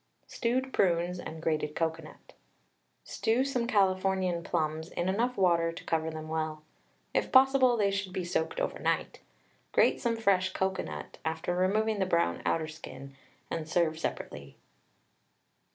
STEWED PRUNES AND GRATED COCOANUT. Stew some Californian plums in enough water to cover them well. If possible, they should be soaked over night. Grate some fresh cocoanut, after removing the brown outer skin, and serve separately.